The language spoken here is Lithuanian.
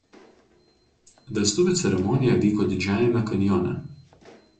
Vestuvių ceremonija vyko Didžiajame kanjone.